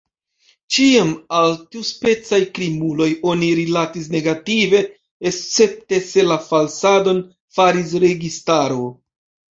Ĉiam al tiuspecaj krimuloj oni rilatis negative, escepte se la falsadon faris registaro.